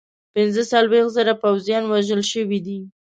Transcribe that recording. پنځه څلوېښت زره پوځیان وژل شوي دي.